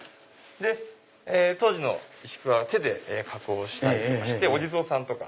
当時の石工は手で加工してお地蔵さんとか。